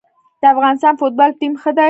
د افغانستان فوتبال ټیم ښه دی